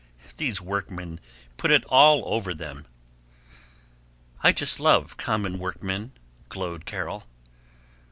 These workmen put it all over them." "I just love common workmen," glowed Carol.